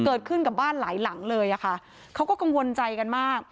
เกิดขึ้นกับบ้านหลายหลังเลยอะค่ะเขาก็กังวลใจกันมาก